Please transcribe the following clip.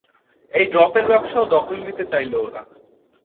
এই ড্রপের ব্যবসাও দখলে নিতে চাইল ওরা।